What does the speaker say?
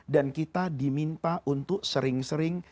dan kita diminta untuk sering sering